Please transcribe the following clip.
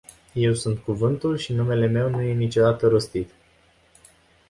Eu sunt cuvântul și numele meu nu e niciodată rostit.